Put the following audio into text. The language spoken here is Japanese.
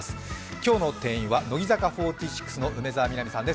今日の店員は乃木坂４６の梅澤美波さんです。